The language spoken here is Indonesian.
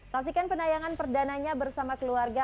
saksikan penayangan perdananya bersama keluarga